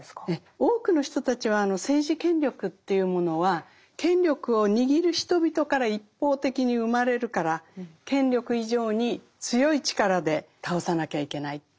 多くの人たちは政治権力というものは権力を握る人々から一方的に生まれるから権力以上に強い力で倒さなきゃいけないというふうに思うわけですね。